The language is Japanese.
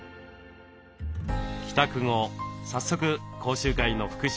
帰宅後早速講習会の復習です。